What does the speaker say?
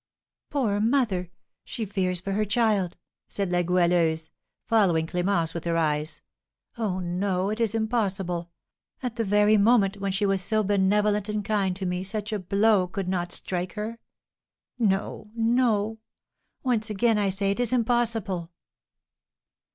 "Poor mother! She fears for her child!" said La Goualeuse, following Clémence with her eyes. "Oh, no, it is impossible! At the very moment when she was so benevolent and kind to me such a blow could not strike her! No, no; once again I say it is impossible!"